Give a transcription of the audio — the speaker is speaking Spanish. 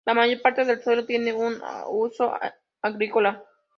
La mayor parte del suelo tiene un uso agrícola.